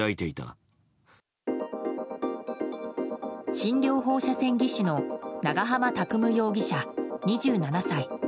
診療放射線技師の長浜拓夢容疑者、２７歳。